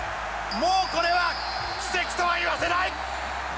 もうこれは奇跡とは言わせない！